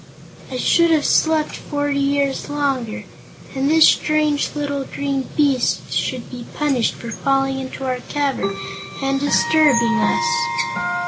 "I should have slept forty years longer. And this strange little green beast should be punished for falling into our cavern and disturbing us."